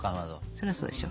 そらそうでしょ。